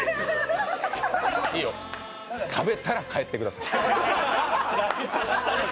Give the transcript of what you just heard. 食べたら帰ってください。